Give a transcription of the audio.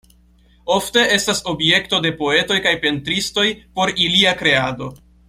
Ofte estas objekto de poetoj kaj pentristoj por ilia kreado.